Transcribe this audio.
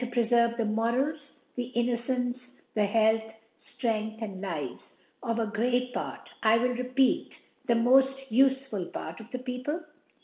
preferve the Morals, the Innocence, the HeaJth, Strength and Lives of a great Fart (I will repeat, the mod ufeful Part) of the .JPeopIc